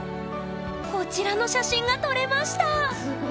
こちらの写真が撮れました！